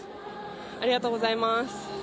ありがとうございます。